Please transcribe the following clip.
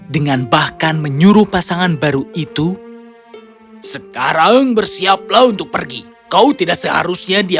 dengan bahkan menyuruh pasangan baru itu